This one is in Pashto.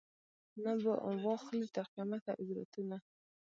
نه به واخلي تر قیامته عبرتونه